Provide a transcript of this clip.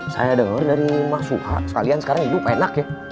saya denger dari mas suha sekalian sekarang itu enak ya